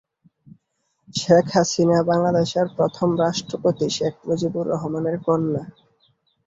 শেখ হাসিনা বাংলাদেশের প্রথম রাষ্ট্রপতি শেখ মুজিবুর রহমানের কন্যা।